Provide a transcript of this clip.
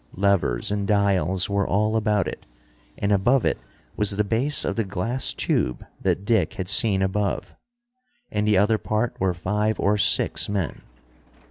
Levers and dials were all about it, and above it was the base of the glass tube that Dick had seen above. In the other part were five or six men.